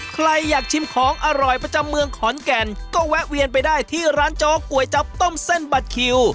ใครอยากชิมของอร่อยประจำเมืองขอนแก่นก็แวะเวียนไปได้ที่ร้านโจ๊กก๋วยจับต้มเส้นบัตรคิว